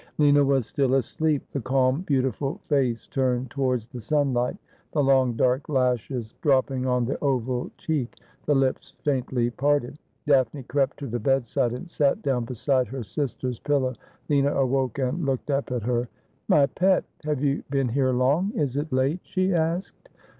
Lina was still asleep, the calm beautiful face turned towards the sunlight, the long dark lashes dropping on the oval cheek, the lips faintly parted. Daphne crept to the bed side and sat down beside her sister's pillow. Lina awoke and looked up at her. ' My pet, have you been here long ? Is it late ?' she asked.